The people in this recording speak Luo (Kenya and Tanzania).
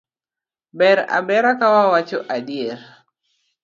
Ber a bera ka wawacho adier